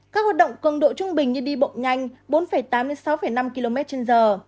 các hoạt động cường độ trung bình như đi bộng nhanh bốn tám sáu năm km trên giờ